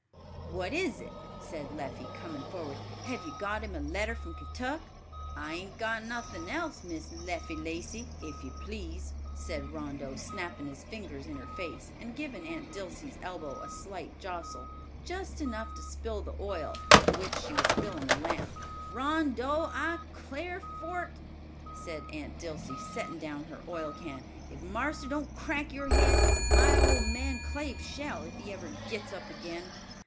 "What is it?" said Leffie, coming forward. "Have you got him a letter from Kentuck?" "I hain't got nothin' else, Miss Leffie Lacey, if you please," said Rondeau, snapping his fingers in her face, and giving Aunt Dilsey's elbow a slight jostle, just enough to spill the oil, with which she was filling a lamp. "Rondeau, I 'clar' for't," said Aunt Dilsey, setting down her oil can. "If marster don't crack your head, my old man Claib shall, if he ever gits up agin.